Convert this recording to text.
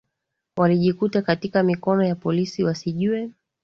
walijikuta katika mikono ya polisi wasijue